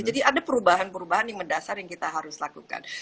jadi ada perubahan perubahan yang mendasar yang kita harus lakukan